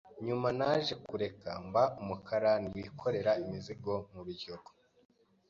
nyuma naje kukareka mba umukarani wikorera imizigo mu biryogo.